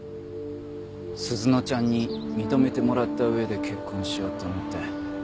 鈴乃ちゃんに認めてもらった上で結婚しようと思って。